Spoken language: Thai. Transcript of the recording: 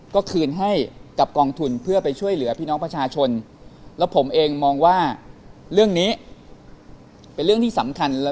ก็คืนให้กับกองทุนเพื่อไปช่วยเหลือพี่น้องประชาชนแล้วผมเองมองว่าเรื่องนี้เป็นเรื่องที่สำคัญ